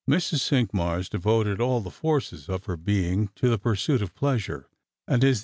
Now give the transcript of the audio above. Mrs. Cinqmars devoted all the forces of her being to the pursuit of pleasure; aUvi as the.